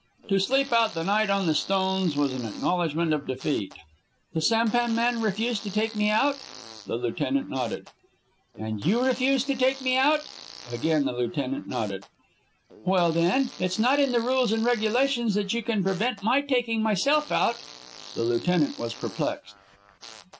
To sleep out the night on the stones was an acknowledgment of defeat. "The sampan men refuse to take me out?" The lieutenant nodded. "And you refuse to take me out?" Again the lieutenant nodded. "Well, then, it's not in the rules and regulations that you can prevent my taking myself out?" The lieutenant was perplexed.